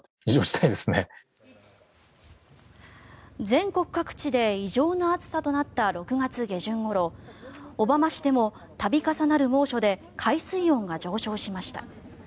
全国各地で異常な暑さとなった６月下旬ごろ小浜市でも度重なる猛暑で海水温が上昇しました。